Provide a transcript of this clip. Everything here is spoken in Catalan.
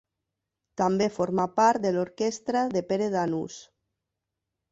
També formà part de l'orquestra de Pere Danús.